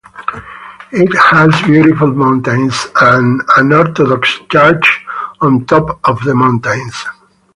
It has beautiful mountains and an Orthodox church on top of the mountains.